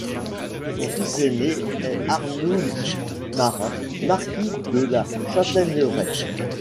Son fils ainé est Arnoul Marin, marquis de la Chataigneraie.